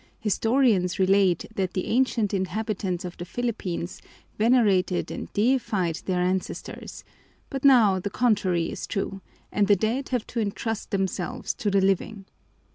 Historians relate that the ancient inhabitants of the Philippines venerated and deified their ancestors; but now the contrary is true, and the dead have to entrust themselves to the living.